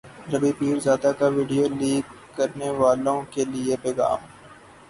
رابی پیرزادہ کا video leak کرنیوالوں کے لیے پیغام